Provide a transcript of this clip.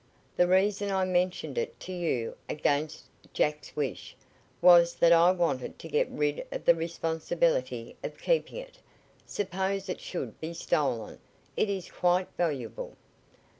The reason I mentioned it to you, against Jack's wish, was that I wanted to get rid of the responsibility of keeping it. Suppose it should be stolen? It is quite valuable."